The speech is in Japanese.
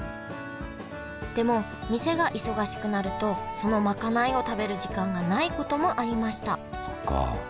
でも店が忙しくなるとその賄いを食べる時間がないこともありました